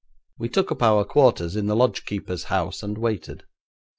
We took up our quarters in the lodgekeeper's house and waited.